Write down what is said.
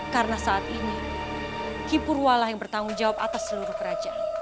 karena saat ini kipurwalah yang bertanggung jawab atas seluruh kerajaan